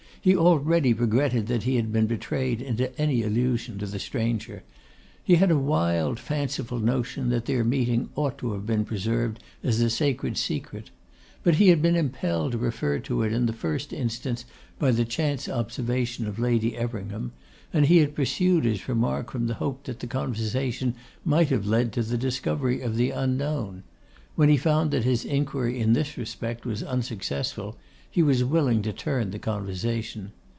He already regretted that he had been betrayed into any allusion to the stranger. He had a wild, fanciful notion, that their meeting ought to have been preserved as a sacred secret. But he had been impelled to refer to it in the first instance by the chance observation of Lady Everingham; and he had pursued his remark from the hope that the conversation might have led to the discovery of the unknown. When he found that his inquiry in this respect was unsuccessful, he was willing to turn the conversation.